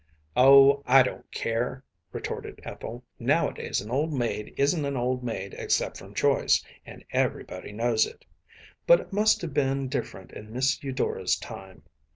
“Oh, I don’t care,‚ÄĚ retorted Ethel. “Nowadays an old maid isn’t an old maid except from choice, and everybody knows it. But it must have been different in Miss Eudora’s time.